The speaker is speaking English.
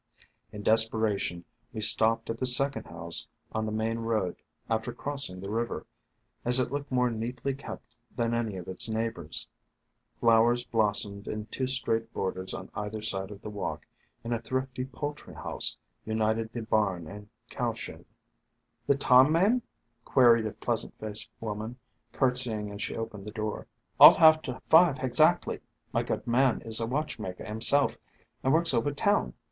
In desperation we stopped at the second house on the main road after crossing the river, as it looked more neatly kept than any of its neighbors. Flowers blossomed in two straight borders on either side of the walk and a thrifty poultry house united the barn and cow shed. "The time, mem?" queried a pleasant faced woman, curtseying as she opened the door. * 'Alf hafter five hexactly; my good man is a watch maker 'imself and works over town.